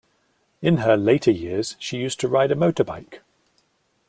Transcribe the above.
In her later years she used to ride a motorbike